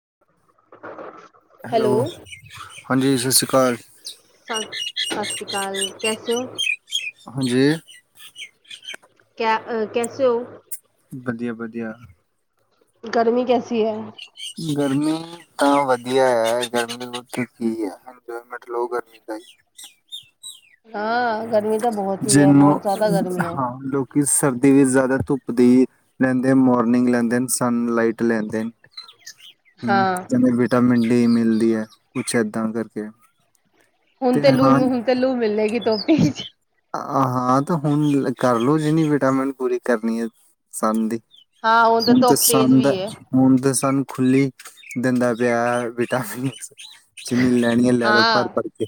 [unintelligible] Hello ਹਾਂਜੀ ਸਤਿ ਸ਼੍ਰੀ ਘਰ ਸ ਸਤਿ ਸ਼੍ਰੀ ਅਕਾਲ ਕੈਸੇ ਹੋ। ਹਾਂਜੀ ਕਿਆ ਕੈਸੇ ਹੋ? ਵਧੀਆ-ਵਧੀਆ। ਗਰਮੀ ਕੈਸੀ ਹੈ। ਗਰਮੀ ਤਾਂ ਵਧੀਆ ਹੈ ਗਰਮੀ [unintelligible] ਕਿ ਆ ਇੰਜੋਮੈਂਟ ਲੋ ਗਰਮੀ ਦਾ ਹੀ। ਹਾਂ ਗਰਮੀ ਤਾਂ ਬਹੁਤ ਹੀ ਹੈ ਜਿਹਨੂੰ ਬਹੁਤ ਜ਼ਿਆਦਾ ਗਰਮੀ ਹੈ ਹਾਂ ਲੋਕੀ ਸਰਦੀ ਵੀ ਜ਼ਿਆਦਾ ਧੁੱਪ ਦੀ ਲੈਂਦੇ ਮੋਰਨਿੰਗ ਲੈਂਦੇ ਸਨ ਲਾਈਟ ਲੈਂਦੇ। ਹਮ ਹਾਂ ਕਹਿੰਦੇ ਵਿਟਾਮਿੰਨ ਡ ਮਿਲਦੀ ਹੈ ਕੁਛ ਇਦਾਂ ਕਰਕੇ। ਹੁਣ ਤੇ ਲੂ ਹੁਣ ਤੇ ਲੂ ਮਿਲਲੇਗੀ ਧੁੱਪ ਇਹ ਹਾਂ ਤੇ ਹੁਣ ਕਰ ਲਓ ਜਿਨੀ ਵਿਟਾਮਿਨ ਪੂਰੀ ਕਰਨੀ ਹੈ ਸਨ ਦੀ। ਹਾਂ ਤਾਂ ਹੁਣ ਤੇ ਧੁੱਪ ਤੇਜ਼ ਸਨ ਦਾ ਵੀ ਹੈ ਹੁਣ ਤੇ ਸਨ ਖੁੀ ਦੰਦਾ ਪਿਆਹ ਵਿਟਾਮਿਨ ਚਿੰਨੀ ਲੈਣੀ ਆ ਲੈ ਲਓ ਹਾਂ ਭਰ ਭੜ ਕੇ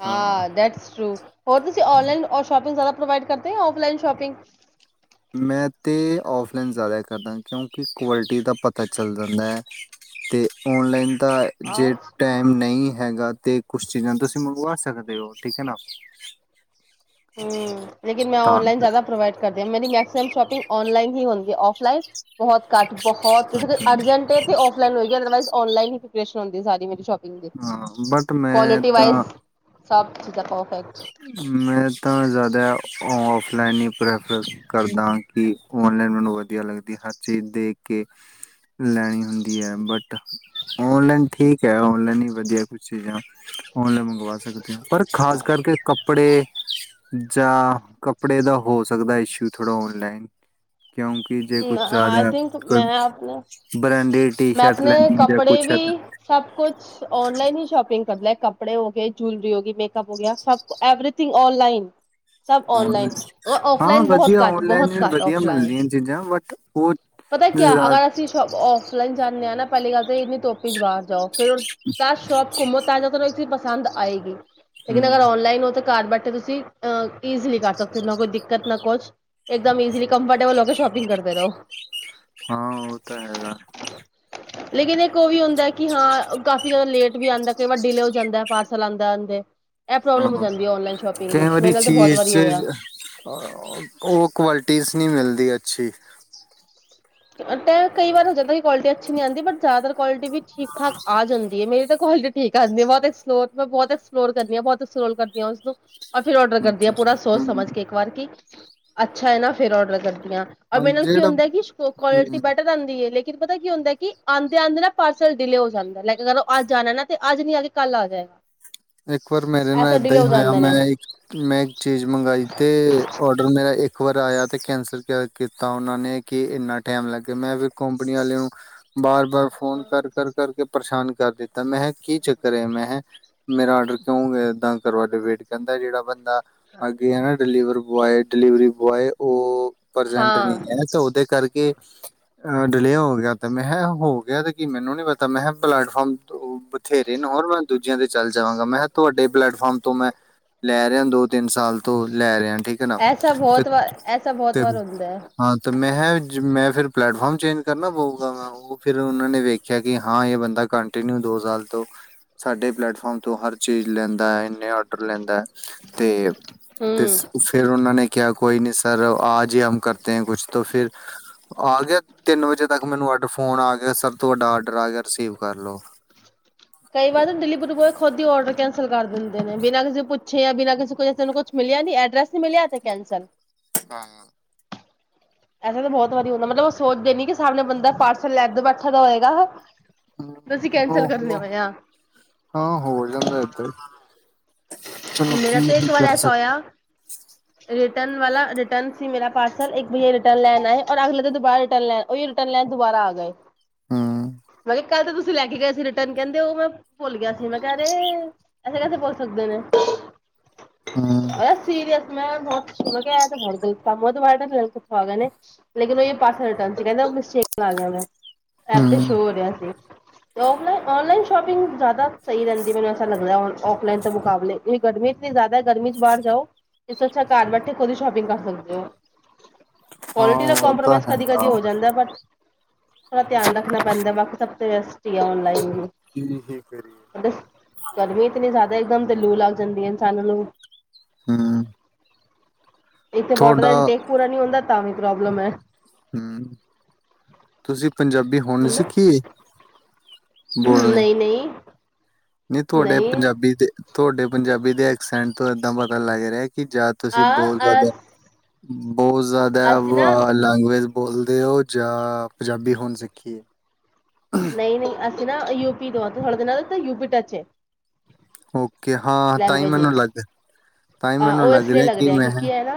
ਹਾਂ ਦੈਟਸ ਟੂ ਹੋਰ ਤੁਸੀਂ ਔਨਈਨਔਰ ਸ਼ਾਪਿੰਗਾਰਦਾ ਪ੍ਰੋਵਾਈਡ ਕਰਦੇ ਹੈ ਔਫਲਾਈਨ ਸ਼ੋਪਿੰਗ ਮੈਂ ਤਾਂ ਔਫਲਾਈਨ ਜ਼ਿਆਦਾ ਕਰਦਾ ਕਿਉਂਕਿ ਕੁਆਲਿਟੀ ਦਾ ਪਤਾ ਚੱਲ ਜਾਂਦਾ ਹੈ ਅਤੇ ਔਨਲਾਈਨ ਤਾਂ ਜੇ ਆਜ ਟਾਈਮ ਨਹੀਂ ਹੈਗਾ ਤੇ ਕੁਛ ਚੀਜ਼ਾਂ ਤੁਸੀਂ ਮੰਗਵਾ ਸਕਦੇ ਹੋ ਠੀਕ ਹੈ ਨਾ ਹਮ ਲੇਿਨ ਮੈਂ ਤਾਂ ਔਨਲਾਈਨ ਜ਼ਿਆਦਾ ਪ੍ਰੋਵਾਈਡ ਕਰਦੀ ਹਾਂ ਮੇਰੀ ਗੈਕ ਐਮ ਸ਼ੋਪਿੰ ਔਨਲਾਈਨ ਨਹੀਂ ਹੁੰਦੀ ਔਫਲਾਈਨ ਬਹੁਤ ਘੱਟ ਬਹੁਤ ਕਰਕੇ ਅਰਜੈਂਟ ਹੈ ਤੇ ਔਫਲਾਈਨ ਹੋਏਗੀ ਅਦਰਵਾਈਜ਼ ਔਨਈਨ ਹੀ ਪ੍ਰਪਰੇਸ਼ਨ ਹੁੰਦੀ ਸ ਮੇਰੀ ਸ਼ੋਪ ਹਾਂ ਬਟ ਮੈਂ ਤਾਂ ਸਭ ਠੀਕ ਐ ਤੋ, ਮੈਂ ਤਾਂ ਜਾ ਦਾ ਔਫਲਾਈਨ ਹੀ ਪ੍ਰੈਫਰ ਕਰਦਾ ਕਿ ਔਨਲਾਈਨ ਮੈਨੂੰ ਵਧੀਆ ਲੱਗਦੀ ਹਰ ਚੀਜ਼ ਦੇਖ ਕੇ ਲੈਣੀ ਹੁੰਦੀ ਹੈ, ਬਟ ਔਨਲਾਈਨ ਠੀਕ ਹੈ, ਔਨਲਾਈਨ ਹੀ ਵਧੀਆ ਕੁਛ ਚੀਜ਼ਾਂ ਔਨਲਾਈਨ ਮੰਗਵਾ ਸਕਦੇ ਹਾ, ਪਰ ਖਾਸ ਕਰਕੇ ਕੱਪੜੇ ਜਾਂ ਕੱਪੜੇ ਦਾ ਹੋ ਸਕਦਾ ਇਸ਼ੂ ਥੋੜ੍ਹਾ ਔਨਲਾਈਨ ਕਿਉਂਕਿ ਜੇ ਕੁਛ ਆਈ ਜ਼ਿਆਦਾ ਥਿੰਕ ਮੈਂ ਕੋਈ ਆਪਣੇ ਬ੍ਰਾਂਡਡ ਟੀ ਮੈਂ ਸ਼ਰਟ ਆਪਣੇ ਲੈਣੀ ਜਾਂ ਕੱਪੜੇ ਕੁਛ ਏਦਾਂ ਵੀ ਸਭ ਕੁਛ ਔਨਲਾਈਨ ਹੀ ਸ਼ੋਪਿੰਗ ਕਰ ਲਿਆ। ਕੱਪੜੇ ਹੋ ਗਏ ਜੂਲਰੀ ਹੋ ਗਈ ਮੇਕਅਪ ਹੋ ਗਿਆ ਸਭ ਕੁ ਐਵਰੀਥਿੰਗ ਔਨਲਾਈਨ ਸਭ ਔਨਲਾਈਨ ਹਾਂ ਔਫਲਾਈਨ ਬਹੁਤ ਵਧੀਆ ਘੱਟ ਔਨਲਾਈਨ ਬਹੁਤ ਵੀ ਘੱਟ ਵਧੀਆ ਔਫਲਾਈਨ, ਮਿਲਦੀਆਂ ਚੀਜ਼ਾਂ ਬਟ ਉਹ ਪਤਾ ਕਿਆ ਜ਼ਿਆ- ਅਗਰ ਅਸੀਂ ਸੋਪ ਜਾਂਦੇ ਆ ਨਾ ਪਹਿਲੀ ਗੱਲ ਤੇ ਇੰਨੀ ਧੁੱਪ ਚ ਬਾਹਰ ਜਾਓ। ਫੇਰ ਦਸ ਸੋਪ ਘੁੰਮੋ ਤਾ ਜੋ ਤੁਹਾ ਪਸੰਦ ਆਏਗੀ। ਲੇਕਨ ਹਮ ਅਗਰ ਔਨਲਾਈਨ ਹੋ ਤਾਂ, ਘਰ ਬੈਠੇ ਤੁਸੀਂ ਅ ਈਜ਼ਲੀ ਕਰ ਸਕਦੇ ਹੋ, ਨਾ ਕੋਈ ਦਿੱਕਤ ਨਾ ਕੁਛ ਇੱਕਦਮ ਈਜ਼ਲੀ ਕੰਫਰਟੇਬਲ ਹੋਕੇ ਸ਼ੋਪ ਕਰਦੇ ਰਹੋ। ਹਾਂ ਉਹ ਤਾਂ ਹੈਗਾ। ਲੇਕਿਨ ਇੱਕ ਉਹ ਵੀ ਹੁੰਦਾ, ਕਿ ਹਾਂ ਕਾਫੀ ਜ਼ਿਆਦਾ ਲੇਟ ਵੀ ਆਦਾ ਕਈ ਵਾਰ ਡਿਲੇ ਹੋ ਜਾਂਦਾ ਪਾਰਸਲ ਆਦਾ-ਆਦਾ, ਹਾਂ, ਕਈ ਵਾਰੀ ਤਾਂ ਬਹੁਤ ਚੀਜ਼ ਵਾਰੀ ਹੋਇਆ। ਚ ਉਹ ਕੁਆਲਿਟੀਜ਼ ਨਹੀਂ ਮਿਲਦੀ। ਦੀ ਅੱਛੀ, ਤੇ ਕਈ ਵਾਰ ਹੋ ਜਾਂਦਾ ਕਿ ਕੁਆਲਿਟੀ ਅੱਛੀ ਨੀ ਆਦੀ ਬਟ ਜ਼ਿਆਦਾਤਰ ਕੁਆਲਿਟੀ ਵੀ ਠੀਕ ਠਾਕ ਆ ਜਾਂਦੀ ਹੈ ਮੇਰੇ ਤਾਂ, ਕੁਆਂਟਿਟੀ ਠੀਕ ਆਦੀ ਬਹੁਤ ਮੈਂ ਬਹੁਤ ਐਕਸਪਲੋਰ ਕਰਦੀ ਹਾਂ ਬਹੁਤ ਐਕਸਪਲੋਰ ਕਰਦੀ ਹਾਂ, ਉਸਨੂੰ ਔਰ ਫਿਰ ਔਡਰ ਕਰਦੀ ਹਾਂ, ਅੱਛਾ ਅੱਛਾ ਪੂਰਾ ਸੋਚ ਹਮ ਸਮਝ ਹਮ ਕੇ ਇੱਕ ਵਾਰ ਕਿ ਅੱਛਾ ਹੈ, ਨਾ ਫੇਰ ਔਡਰ ਕਰਨਾ। ਹਾਂ ਮੈਨੂੰ ਕੀ ਜਿਹੜਾ ਹੁੰਦਾ ਕਿ ਕੁਆਲਿਟੀ ਹਮ ਬੈਟਰ ਆਂਦੀ ਲੇਕਿਨ ਪਤਾ ਕੀ ਹੁੰਦਾ, ਕਿ ਆਂਦੇ-ਆਂਦੇ ਨਾ ਪਾਰਸਲ ਡਿਲੇ ਹੋ ਜਾਂਦਾ, ਅਗਰ ਉਹ ਅੱਜ ਜਾਣਾ ਨਾ ਤੇ ਅੱਜ ਨੀ ਆ ਕੇ ਕੱਲ ਆ ਜਾਏਗਾ। ਇੱਕ ਵਾਰ ਮੇਰੇ ਨਾਲ ਐਸਾ ਏਦਾਂ ਡਿਲੇ ਹੀ ਹੋ ਹੋਇਆ ਜਾਂਦੇ ਮੈਂ ਨੇ ਮੈਂ ਇੱਕ ਚੀਜ਼ ਮੰਗਈ ਤੇ ਔਡਰ ਮੈਂ ਇ ਇਕ ਵਾਰ ਆਇਆ ਤੇ ਕੈਂਸਲ ਕੀਤਾ, ਉਹਨਾਂ ਨੇ ਕਿ ਇੰਨਾ ਟਾਈਮ ਲੱਗ ਗਿਆ ਮੈਂ ਫਿਰ ਕੰਪਨੀ ਆਲੇ ਨੂੰ ਵਾਰ ਵਾਰ ਫੋਨ ਕਰ-ਕਰ-ਕਰ। ਕੇ ਪਰੇਸ਼ਾਨ ਕਰ ਦਿੱਤਾ, ਮੈਂਹ ਕੀ ਚੱਕਰ ਹੈ ਮੈਂਹ ਮੇਰਾ ਆਰਡਰ ਕਿਉਂ ਏਦਾਂ ਕਰਵਾ ਡਿਵੇਟ ਕਰਦਾ ਜਿਹੜਾ ਬੰਦਾ ਅੱਗੇ ਐ ਨਾ ਡਲੀਵਰ ਬੋਆਏ ਡਿਲੀਵਰੀ ਬੋਆਏ ਉਹ ਪ੍ਰਜੈਂਟ ਹਾਂ ਨਹੀਂ ਹੈ, ਤਾਂ ਉਹਦੇ ਕਰ ਕੇ ਡਿਲੇ ਹੋ ਗਿਆ ਤੇ ਮੈਂ ਕਿਹਾ ਹੋ ਗਿਆ ਤੇ ਕੀ ਮੈਨੂੰ ਨੀ ਪਤਾ ਮੈਂ ਕਿਹਾ ਪਲੇਟਫਾਰਮ ਬਥੇਰੇ ਨੇ ਹੋਰ [inaudible] ਜਾਂਦੇ ਚੱਲ ਜਾਵਾਂਗਾ ਮੈਂ ਕਿਹਾ ਤੁਹਾਡੇ ਪਲੇੈਟਫਾਰਮ ਤੋਂ ਮੈਂ ਲੈ ਰਿਹਾ ਦੋ ਤਿੰਨ ਸਾਲ ਤੋਂ ਲੈ ਰਿਹਾ ਠੀਕ ਹੈ ਨਾ ਐਸਾ ਤੇ ਬਹੁਤ ਵਾਰ ਐਸਾ ਬਹੁਤ ਤੇ ਵਾਰ ਹੁੰਦਾ ਹੈ। ਹਾਂ ਤੇ ਮੈਂ ਮੈਂ ਫਿਰ ਪਲੈਟਫਾਰਮ ਚੇਂਜ ਕਰਨਾ ਪਊਗਾ ਵਾ ਉਹ ਫਿਰ ਉਹਨਾਂ ਨੇ ਵੇਖਿਆ ਕਿ ਹਾਂ ਇਹ ਬੰਦਾ ਕੰਟੀਨਿਊ ਦੋ ਸਾਲ ਤੋਂ ਸਾਡੇ ਪਲੈਟ ਫਾਰਮ ਤੋਂ ਹਰ ਚੀਜ਼ ਲੈਂਦਾ ਇੰਨੇ ਔਡਰ ਲੈਂਦਾ। ਤੇ ਤੇ ਹੂੰ ਫੇਰ ਉਹਨਾਂ ਨੇ ਕਿਆ ਕੋਈ ਨ ਸਰ ਆਜ ਹੀ ਹਮ ਕਰ ਤੇ ਕੁਛ ਤੋ ਫਿਰ ਆ ਗਿਆ ਤਿੰਨ ਵਜੇ ਤੱਕ ਮੈਨੂੰ ਅੱਡ ਫੋਨ ਆ ਗਿਆ, ਸਭ ਤੋਂ ਵੱਡਾ ਆਡਰ ਆ ਗਿਆ ਰਿਸੀਵ ਕਰ ਲਓ। ਕਈ ਵਾਰ ਦਿੱਲੀਪੁਰ ਬੋਲ ਖੁਦ ਦੀ ਔਡਰ ਕੈਂ ਕੈਂਸਲ ਕਰ ਦਿੰਦੇ ਨੇ ਬਿਨਾਂ ਕਿਸੇ ਪੁੱਛੇ ਬਿਨਾਂ ਕਿਸੇ ਕੁਛ ਮਿਲਿਆ ਨੀ ਐਡਰਸ ਨੀ ਮਿਲਿਆ ਕੈਂਸਲ। ਆਹ ਐਸਾ ਤਾਂ ਬਹੁਤ ਵਾਰੀ ਹੁੰਦਾ ਮਤਲਬ ਉਹ ਸੋਚਦੇ ਨ ਕਿ ਸਾਹਮਣੇ ਬੰਦਾ ਪਾਰਸਲ ਲੈ ਦ ਬੈਠਾ ਦਾ ਹੋਏਗਾ। ਤੁਸੀਂ ਕੈਂਸਲ ਕਰਨੇ ਹ ਹੋਏ ਆ ਹਾਂ ਹੋ ਜਾਂਦਾ ਆਹ ਤੇ ਮੇਰਾ ਤੇ ਇੱਕ ਵਾਰ ਐਸਾ ਸਕ ਹੋਇਆ ਰੇ ਰਿਟਰਨ ਵਾਲਾ ਰਿਟਰਨ ਸੀ ਮੇਰਾ ਪਾਰਸਲ ਇੱਕ ਬਈਆ ਰਿਟਰਨ ਲੈਣ ਆਇਆ, ਔਰ ਅਗਲੇ ਦਿਨ ਦੁਬਾਰਾ ਰਿਟਰਨ ਲੈਣ ਉਹੀਓ ਰਿਟਰਨ ਲੈਣ ਦੁਬਾਰਾ ਆ ਗਏ। ਹੂੰ ਮੈਂ ਕੱਲ ਤੇ ਤੁਸੀਂ ਲੈ ਕੇ ਗਏ ਸੀ ਰਿਟਰਨ ਕਹਿੰਦੇ ਉਹ ਮੈਂ ਭੁੱਲ ਗਿਆ ਸੀ ਮੈਂ ਕਹਿ ਰਹੇ ਐੇ ਕੈਸੇ ਭੱਲ ਸਕਦੇ ਨੇ ਹੂੰ ਅ ਸੀਰੀਅਸ ਮੈਂ ਸੁ ਕਿਹਾ ਬਤ ਗਲਪ ਮੈਂ ਬ ਲੈੱਥ ਗ ਨੇ ਲੇਕਨ ਉਹਹੀ ਪਾਸੇ ਰਿਟਨ ਸੀ ਕਹਿੰ ਮਿਸੇਕ ਲਗ ਗਿਆ ਮੈਂ ਐਪ ਤੇ ਹੂੰ ਸ਼ੋਅ ਰਿਹਾ ਸੀ ਤੇ ਫਲਾਈਨ ਔਨਲਾਈਨ ਸ਼ੋਪਿੰਗ ਜ਼ਿਆਦਾ ਸਹੀ ਰਹਿੰਦੀ ਮੈਨੂੰ ਐਾ ਲੱਗਦਾ ਔਫਲਾਈਨ ਮੁਕਾਬਲੇ ਤੁਂ ਗਰਮੀ ਇਤਨੀ ਜ਼ਿਆਦਾ ਹੈ ਗਰਮੀ ਚ ਬਾਹਰ ਜਾਓ ਜ ਅੱਛਾ ਘਰ ਬੈਠੇ ਖੁਦ ਹੀ ਸ਼ੋਪਿੰਗ ਕਰ ਸਕਦੇ ਹੋ ਹਾਂ ਕੁਆਲਿਟੀ ਦਾ ਉਹ ਤਾਂ ਕੰਪ੍ਰੋਮਾਈਜ਼ ਕਦੀ ਹੈਗਾ ਕਦੀ ਹੋ ਵਾ ਜਾਂਦਾ ਬਟ ਥੋੜ੍ਹਾ ਧਿਆਨ ਰੱਖਣਾ ਪੈਂਦਾ ਬਾਕੀ ਸਭ ਸਟੀ ਔਨਲਾਈਨ ਕੀ ਹੀ ਕਰੀਏ। ੱਸ ਗਰਮੀ ਇਤਨੀ ਜ਼ਿਆਦਾ ਇੱਕਦਮ ਦਲਿ ਲੱਗ ਜਾਂਦੀ ਹੈ ਇਨ ਸਾਨ ਨੂੰ ਹਮ ਇੱਥੇ ਬੋਡਰ ਦਾ ਇਨਟੇਕ ਪੂ ਨੀ ਹੁੰਦਾ ਤਾਂ ਵੀ ਪ੍ਰੋਬਲਮ ਹੈ ਹਮ ਤੁਸੀਂ ਪੰਜਾਬੀ ਹੋੁਣ ਸਿੱਖੀਏ ਹੂ ਨਹੀਂ ਨਹੀਂ ਨਹੀਂ ਤੁਆਡੇ ਪੰਜਾਬੀ ਦੇ ।ਤੁਆਡੇ- ਪੰਜਾਬੀ ਦੇ ਐਕਸੈਂਟ ਤੋਂ ਇੱਦਾਂ ਪਤਾ ਲੱਗ ਰਿਆ- ਕਿ ਜਾ ਤੁਸੀਂ ਬਹੁਤ ਆ ਜ਼ਿਆਦਾ- ਉਹ ਜ਼ਾਦਾ ਅਸੀਂ ਨਾ ਵ ਲੈਂਗੁਏਜ- ਬੋਲਦੇ ਓ ਜਾਂ ਪਜਾਬੀ ਹੋਣ ਸਿੱਖੀ ਏ। ਨਹੀਂ ਨਹੀਂ ਅਸੀਂ ਅਸੀ ਨਾ ਯੂ ਪੀ ਤੋਂ ਥੋੜਾ ਜਿਹਾ ਨਾ ਯੂ ਪੀ ਟਚੇ ਏ। ਓਕੇ ਹਾਂ ਤਾਂਹੀ ਮੈਨੂੰ ਲੱਗ -ਤਾਂਈ ਅ ਮੈਨੂੰ ਉਹ ਲੱਗ ਇਸ ਲਈ ਰਿਹਾ ਕਿ ਮੈਂ- ਕਿਉਂਕਿ ਹੈ ਨਾ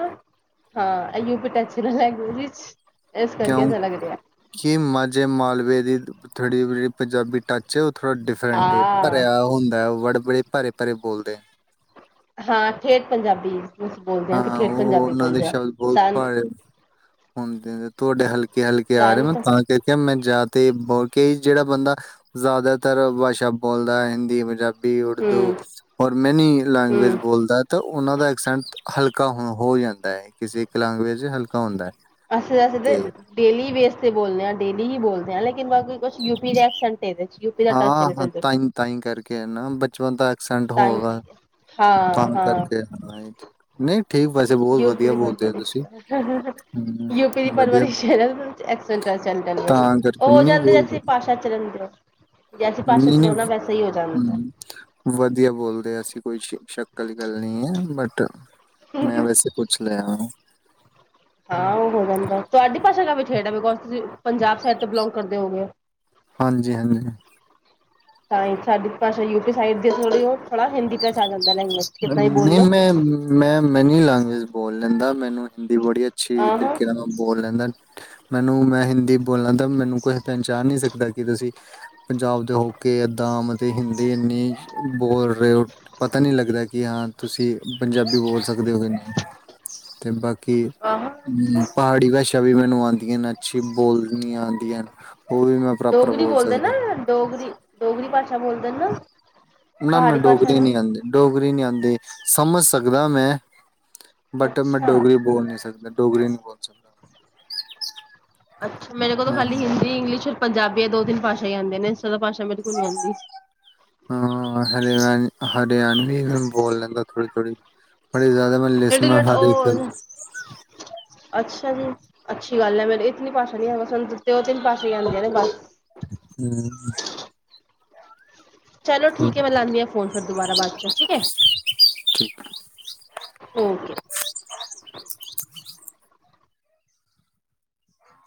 ਹਾਂ ਐ ਯੂ ਪੀ ਟੱਚ ਏ ਨਾ ਲੈਂਗੁਏਜ'ਚ ਕਿਉਂ-ਕਿ ਮਾਝੇ ਮਾਲਵੇ ਦੀ- ਬੜੀ ਬੜੀ ਪੰਜਾਬੀ ਟੱਚ ਥੋੜ੍ਹਾ ਡਿਫਰੈਂਟ ਏ। ਹਾਂ ਭਰਿਆ ਹੁੰਦਾ ਵਰਡ ਬੜੇ ਭਾਰੇ -ਭਾਰੇ ਬੋਲਦੇ। ਹਾਂ ਠੇਠ ਪੰਜਾਬੀ ਅਸੀਂ ਬੋਲਦੇ ਕਿ ਹਾਂ ਠੇਠ ਉਹ ਪੰਜਾਬੀ ਉਹਨਾਂ ਦੇ ਬੋਲਦੇ ਹਾਂ ਸ਼ਬਦ ਬਹੁਤ ਸਨ ਭਾ- ਤੁਹਾਡੇ ਹਲਕੇ ਹਲਕੇ ਆ ਰੇ ਨੇ ਮੈ ਸੰਤ ਤਾਂ ਤੇ ਕਿਆ ਮੈਂ ਜਾਦਾ- ਤੇ ਬ ਕਈ ਜੇੜਾ ਬੰਦਾ ।ਜ਼ਿਆਦਾਤਰ ਵਾਸ਼ਾ ਬੋਲਦਾ ਏ ਹਿੰਦੀ, ਪੰਜਾਬੀ ਹਿੰਦੀ, ਉਰਦੂ ਹਮ ਹੋਰ ਮੈਨੀ ਲੈਂਗੁਏਜ ਹਮ ਬੋਲਦਾ ਤੇ ਉਹਨਾਂ ਦਾ ਐਕਸੈਂਟ ਹਲਕਾ ਹ ਹੋ ਜਾਂਦਾ ਐ। ਕਿਸੇ ਇੱਕ ਲੈਂਗੁਏਜ' ਚ ਹਲਕਾ ਹੁੰਦਾ ਐ। ਅਸੀਂ ਏਸੇ ਤੇ ਡੇਲੀ ਵੇਸ ਤੇ ਬੋਲਦੇ ਆਂ ਡੇਲੀ ਈ ਬੋਲਦੇ ਆ ਲੇਕਿਨ ਬਾਕੀ ਕੁਛ ਯੂਪੀ ਰੈ ਕੇ ਸੈਂਟਰ ਹਾਂ ਹਾਂ ਤਾਈਂ ਤਾਈਂ ਕਰਕੇ ਐ ਨਾ ਬਚਪਨ ਦਾ ਐਕਸੈਂਟ ਤਾਂ ਹੀ ਹੋਗਾ ਕਰਕੇ ਹਾਂ ਤਾਮ ਹਾਂ ਕਰਕੇ -ਨਹੀਂ ਠੀਕ ਵੈਸੇ ਬਹੁਤ ਯੂਪੀ ਵਧੀਆ ਦੀ ਭਾਸ਼ਾ ਬੋਲਦੇ ਹੋ ਤੁਸੀਂ ਵਿਚ ਹਾਂ ਹਾਂ ਹੇ-ਯੂਪੀ ਦੀ ਹੂੰ ਵਧੀਆ ਪਰਵਰਿਸ਼ ਹੈਣਾ'ਚ ਏਸ ਸੰਟੈਂਸ ਵਿਚ ਤਾਂ ਹੋ ਕਰਕੇ ਜਾਂਦੇ ਸੀਂ ਭਾਸ਼ਾ 'ਚ ਰੋਂਦੇ ਆਂ। ਜੈਸੀ ਭਾਸ਼ਾ ਨੀ ਨੀ ਜਾਂਦਾ ਹੂੰ। ਵਧੀਆ ਬੋਲਦੇ ਅਸੀਂ ਕੋਈ ਸ਼ੱਕ ਅਲੀ ਗੱਲ ਨਈ ਐ। ਬਟ ਟ ਮੈਂ ਵੈਸੇ ਪੁੱਛ ਲਿਆ ਊ। ਆਹੋ ਹੋ ਜਾਦਾ ਤੁਹਾਡੀ ਭਾਸ਼ਾ 'ਚ ਛੇਡਾ ਵੀ ਕੋੋਸ ਤੁਸੀਂ ਪੰਜਾਬ ਸ਼ਹਿਰ ਤੋਂ ਬਿਲੋਂਗ ਕਰਦੇ ਹੋ ਗੇ। ਹਾਂਜੀ ਹਾਂਜੀ ਤਾਂ ਹੀ ਸਾਡੀ ਭਾਸ਼ਾ ਯੂਪੀ ਸਾਈਡ ਦੇ ਥ ਥੋੜਾ ਹਿੰਦੀ ਟੱਚ ਆ ਜਾਂਦਾ ਲੈਂਗੁਏਜ ਕਿਤਨਾ ਹੀ ਬੋਲ ਨਹੀਂ ਲੋ ਮੈਂ ਮੈਂ ਮੈਂ ਨਹੀਂ ਲਾਗੀ ਬੋਲਣ ਦਾ ਮੈਨੂੰ ਹਿੰਦੀ ਬੜੀ ਅੱਛੀ ਆਹਾਂ ਤਰੀਕੇ ਨਾਲ ਬੋਲ ਲੈਂਦਾ ਮੈਨੂੰ ਮੈਂ ਹਿੰਦੀ ਬੋਲਣ ਤਾਂ ਮੈਨੂੰ ਕੋਈ ਪਹਿਚਾਣ ਨਹੀਂ ਸਕਦਾ ਕਿ ਤੁਸੀਂ ਪੰਜਾਬ ਦੇ ਹੋ ਕੇ ਏਦਾਂ ਮਤਲਬ ਹਿੰਦੀ ਇੰਨੀ ਬੋਲ ਰਹੇ ਹੋ ਪਤਾ ਨਹੀਂ ਲੱਗਦਾ ਕਿ ਹਾਂ ਤੁਸੀਂ ਪੰਜਾਬੀ ਬੋਲ ਸਕਦੇ ਹੋਗੇ ਅਤੇ ਬਾਕੀ ਕਿ ਆਹਾਂ ਹ ਪਹਾੜੀ ਭਾਸ਼ਾ ਵੀ ਮੈਨੂੰ ਆਂਦੀ ਅੱਛੀ ਬੋਲਦੀਆਂ ਆਉਂਦੀਆਂ ਉਹ ਵੀ ਮੈਂ ਪ੍ਰੋਪਰ ਡੋਗਰੀ ਬੋਲ ਬੋਲਦੇ ਨਾ ਸਕਦਾ ਡੋਗਰੀ ਡੋਗਰੀ ਭਾਸ਼ਾ ਬੋਲਦੇ ਨਾ ਨਾ ਨਾ ਪਹਾੜੀ ਭਾਸ਼ਾ ਡੋਗਰੀ ਨੂੰ ਨਹੀਂ ਆਉਂਦੀ ਡੋਗਰੀ ਨੀ ਆਉਂਦੀ ਸਮਝ ਸਕਦਾ ਮੈਂ ਬਟ ਮੈਂ ਅੱਛਾ ਡੋਗਰੀ ਬੋਲ ਨੀ ਸਕਦਾ। ਡੋਗਰੀ ਨਹੀਂ ਬੋਲ ਸਕਦਾ ਉਹ ਅੱਛਾ ਮੇਰੇ ਕੋਲੋਂ ਖਾਲੀ ਹਿੰਦੀ ਇੰਗਲਿਸ਼ ਪੰਜਾਬੀ ਦੇ ਦੋ ਤਿੰਨ ਭਾਸ਼ਾ ਹੀ ਆਂਦੇ ਨੇ ਤੋਂ ਜ਼ਿਆਦਾ ਭਾਸ਼ਾ ਮੇਰੇ ਕੋਲ ਨੀ ਆਂਦੀ ਹਾਂ ਹਰੇ ਰ ਹਰਿਆਣਵੀ ਬੋਲ ਲੈਂਦਾ ਥੋੜ੍ਹੀ ਥੋੜ੍ਹੀ ਬੜੀ ਜ਼ਿਆਦਾ ਮੈਂ ਲਿਸਮ ਲਿਟਲ ਬਿਟ ਹਾਰੀ ਉਹ ਅੱਛਾ ਜੀ ਅੱਛੀ ਗੱਲ ਹੈ ਮੇ ਇਹ ਤਿੰਨੀ ਭਾਸ਼ਾ ਨੀ ਹੈ ਉਹ ਤਿੰਨ ਭਾਸ਼ਾ ਹੀ ਆਉਂਦੀਆਂ ਨੇ ਬਸ ਹਮ ਚਲੋ ਠੀਕ ਹੈ ਫੈਂ ਲੈਂਦੀ ਹਾਂ ਫੋਨ ਫਿਰ ਦੁਬਾਰਾ ਬਾਅਦ ਚ ਠੀਕ ਹੈ ਠੀਕ ਓਕੇ